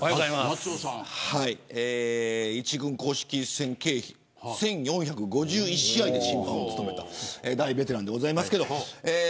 一軍公式戦、計１４５１試合で審判を務めた大ベテランでございます。